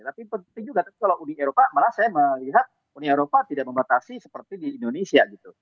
tapi penting juga tapi kalau uni eropa malah saya melihat uni eropa tidak membatasi seperti di indonesia gitu